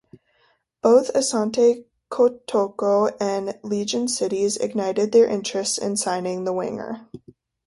Both Asante Kotoko and Legon Cities ignited their interests in signing the winger.